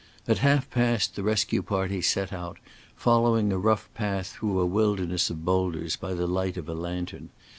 At half past the rescue party set out, following a rough path through a wilderness of boulders by the light of a lantern.